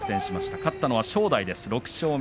勝ったのは正代、６勝目。